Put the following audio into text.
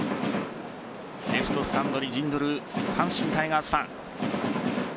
レフトスタンドに陣取る阪神タイガースファン。